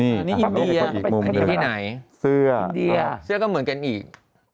มาอีกมุมเลยนี่อินเดียที่ไหนเสื้อเสื้อก็เหมือกันอีก